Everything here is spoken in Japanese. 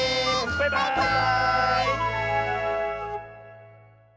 バイバーイ！